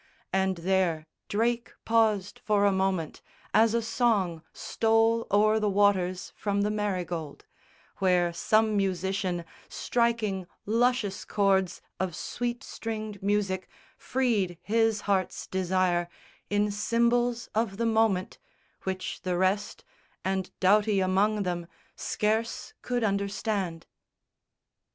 And there Drake paused for a moment, as a song Stole o'er the waters from the Marygold Where some musician, striking luscious chords Of sweet stringed music, freed his heart's desire In symbols of the moment, which the rest, And Doughty among them, scarce could understand.